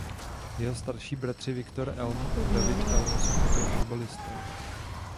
Jeho starší bratři Viktor Elm a David Elm jsou také fotbalisté.